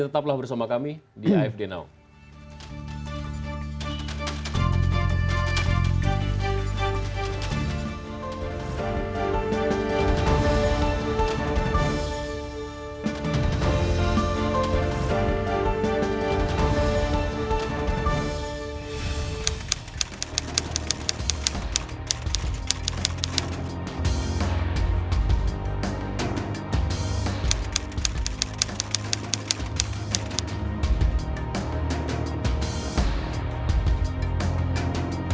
tetaplah bersama kami di afd now